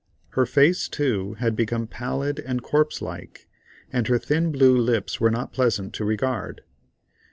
Her face, too, had become pallid and corpse like, and her thin blue lips were not pleasant to regard.